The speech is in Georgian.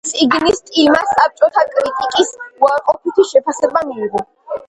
წიგნის სტილმა საბჭოთა კრიტიკის უარყოფითი შეფასება მიიღო.